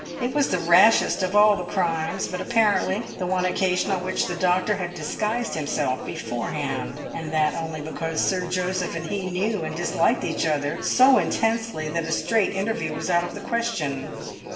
It was the rashest of all the crimes; but, apparently, the one occasion on which the doctor had disguised himself before hand; and that only because Sir Joseph and he knew and disliked each other so intensely that a "straight" interview was out of the question.